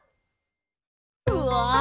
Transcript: うわ！